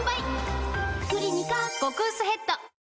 「クリニカ」極薄ヘッド